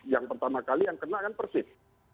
yang pertama kali yang kena kan persib